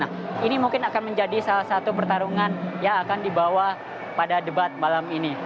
nah ini mungkin akan menjadi salah satu pertarungan yang akan dibawa pada debat malam ini